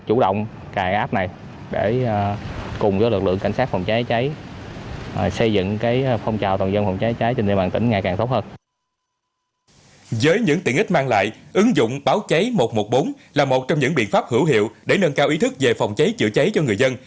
ứng dụng báo cháy một trăm một mươi bốn là một trong những biện pháp hữu hiệu để nâng cao ý thức về phòng cháy chữa cháy cho người dân